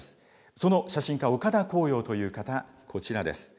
その写真家、岡田紅陽という方、こちらです。